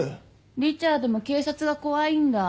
リチャードも警察が怖いんだ？